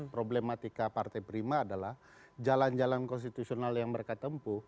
problematika partai prima adalah jalan jalan konstitusional yang mereka tempuh